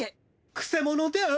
くせ者です。